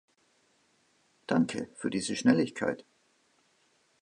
Danke für diese Schnelligkeit.